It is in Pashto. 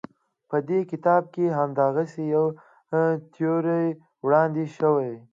په دې کتاب کې همدغسې یوه تیوري وړاندې شوې.